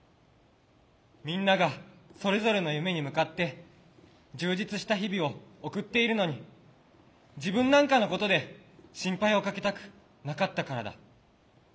みんながそれぞれの夢に向かって充実した日々を送っているのに自分なんかのことで心配をかけたくなかったからだ。